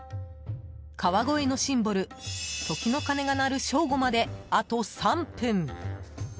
川越のシンボル、時の鐘が鳴る正午まであと３分。